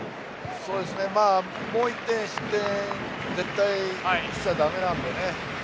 もう１点、失点は絶対にしちゃだめなのでね